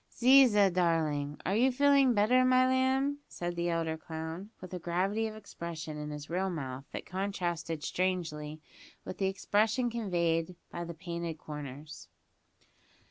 "Ziza, darling, are you feeling better, my lamb?" said the elder clown, with a gravity of expression in his real mouth that contrasted strangely with the expression conveyed by the painted corners.